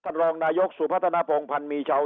เขาเรียกร้องนะ้ยกสุพัฒนโผลงพันหมี่เช้า